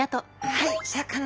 はい。